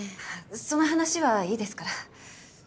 その話はいいですから。